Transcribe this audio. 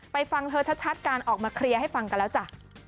ฟังเธอชัดการออกมาเคลียร์ให้ฟังกันแล้วจ้ะ